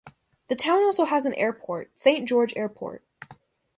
The town also has an airport, Saint George Airport.